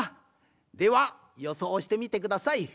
ではよそうしてみてください。